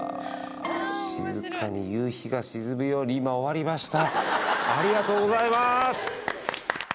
静かに夕日が沈むように今終わりました。